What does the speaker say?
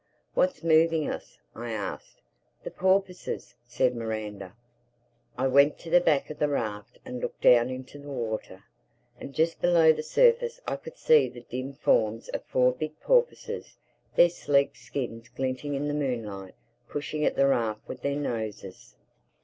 "What's moving us?" I asked. "The porpoises," said Miranda. I went to the back of the raft and looked down into the water. And just below the surface I could see the dim forms of four big porpoises, their sleek skins glinting in the moonlight, pushing at the raft with their noses.